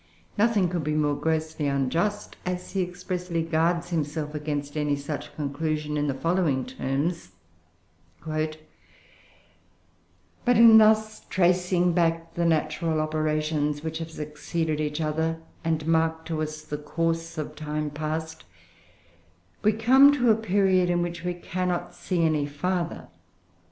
Nothing could be more grossly unjust, as he expressly guards himself against any such conclusion in the following terms: "But in thus tracing back the natural operations which have succeeded each other, and mark to us the course of time past, we come to a period in which we cannot see any farther.